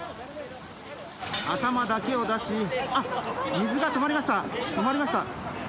頭だけを出し、あっ、水が止まりました、止まりました。